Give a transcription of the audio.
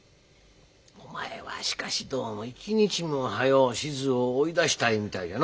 お前はしかしどうも一日も早う志津を追い出したいみたいやのう。